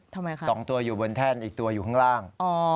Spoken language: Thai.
ทำไมคะ๒ตัวอยู่บนแท่นอีกตัวอยู่ข้างล่าง